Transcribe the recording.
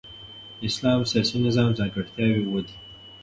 د اسلام د سیاسي نظام ځانګړتیاوي اووه دي.